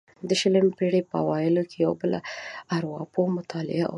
د شلمې پېړۍ په اوایلو یو بل ارواپوه مطالعه او تعریف کړه.